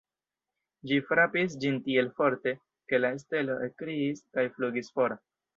Ĝi frapis ĝin tiel forte, ke la stelo ekkriis kaj flugis for.